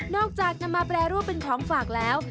จากนำมาแปรรูปเป็นของฝากแล้ว